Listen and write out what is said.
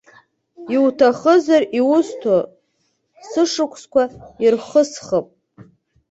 Иуҭахызар, иусҭо сышықәсқәа ирхысхып.